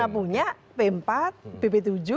kita sudah pernah punya p empat bp tujuh gitu ya